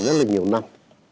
rất là nhiều năm